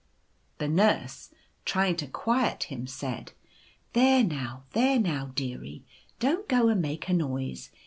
a The Nurse, trying to quiet him, said :"' There now, there now, deary — don't go and make a noise.